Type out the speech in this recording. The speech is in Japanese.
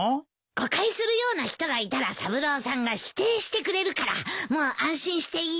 誤解するような人がいたら三郎さんが否定してくれるからもう安心していいよ。